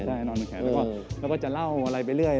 ใช่นอนเป็นแขนแล้วก็จะเล่าอะไรไปเรื่อย